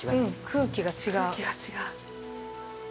空気が違う。